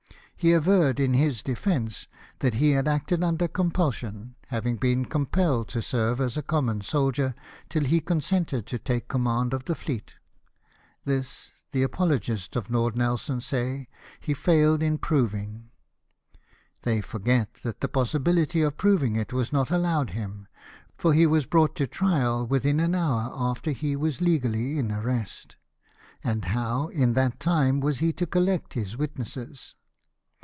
He averred in his defence that he had acted under compulsion, having been compelled to serve as a common soldier till he consented to take command of the fleet. This, the apologists of Lord Nelson say, he failed in proving. They forget that the possibility of proving it was not allowed him, for he was brought EXECUTION OF CARACCIOLI. 187 to trial within an hour after he Avas legally in arrest : and how, in that time, was he to collect his witnesses